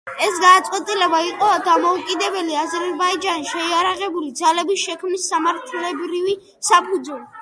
ეს გადაწყვეტილება იყო დამოუკიდებელი აზერბაიჯანის შეიარაღებული ძალების შექმნის სამართლებრივი საფუძველი.